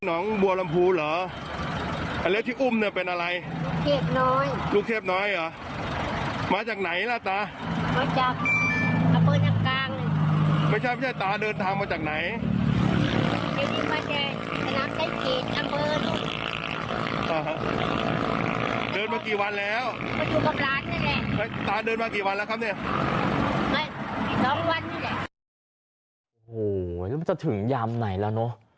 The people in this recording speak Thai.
โอ้โหแล้วมันจะถึงยามไหนแล้วเนอะ